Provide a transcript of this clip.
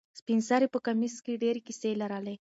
سپین سرې په کمیس کې ډېرې کیسې لرلې.